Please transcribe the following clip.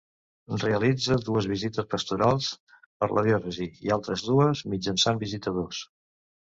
Realitza dues visites pastorals per la diòcesi, i altres dues mitjançant visitadors.